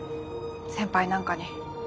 先輩なんかに。